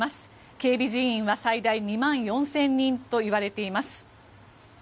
警備人員は最大２万４０００人といわれています。